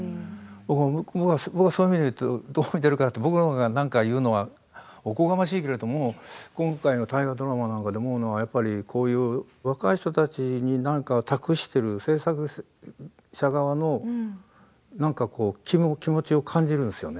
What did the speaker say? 僕は、そういう意味で言うとどう見ているかって僕のほうが何か言うのはおこがましいけれども今回の大河ドラマなんかでもやっぱりこういう若い人たちに何か託している制作者側の気持ちを感じるんですよね。